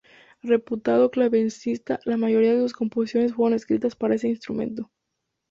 Reputado clavecinista, la mayoría de sus composiciones fueron escritas para ese instrumento.